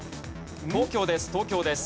東京です